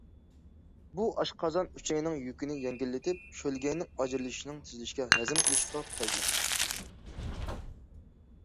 بۇ ئاشقازان، ئۈچەينىڭ يۈكىنى يەڭگىللىتىپ، شۆلگەينىڭ ئاجرىلىشىنىڭ تېزلىشىگە، ھەزىم قىلىشقا پايدىلىق.